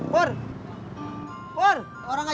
selamat datang udin